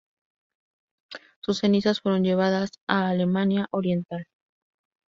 Sus cenizas fueron llevadas a Alemania Oriental.